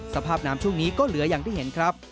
สภาพน้ำช่วงนี้ก็เหลืออย่างที่เห็นครับ